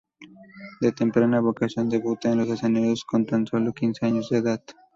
De temprana vocación debuta en los escenarios con tan sólo quince años de edad.